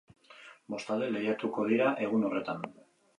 Bost talde lehiatuko dira egun horretan.